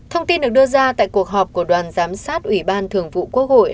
thông tin được đưa ra tại cuộc họp của đoàn giám sát ủy ban thường vụ quốc hội